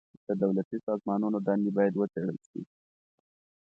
د دولتي سازمانونو دندي بايد وڅېړل سي.